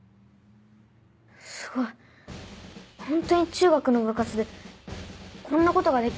すごい本当に中学の部活でこんなことができるの？